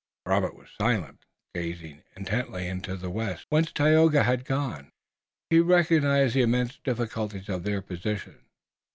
Robert was silent, gazing intently into the west, whence Tayoga had gone. He recognized the immense difficulties of their position.